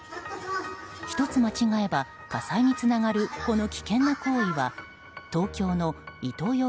１つ間違えば、火災につながるこの危険な行為は東京のイトー